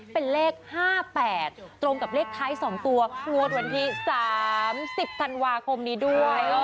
เป็นเลข๕๘ตรงกับเลขท้าย๒ตัวงวดวันที่๓๐ธันวาคมนี้ด้วย